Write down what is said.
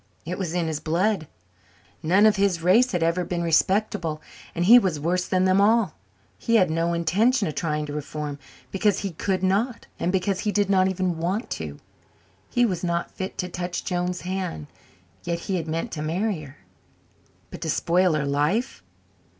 It was in his blood. None of his race had ever been respectable and he was worse than them all. He had no intention of trying to reform because he could not and because he did not even want to. He was not fit to touch Joan's hand. Yet he had meant to marry her! But to spoil her life!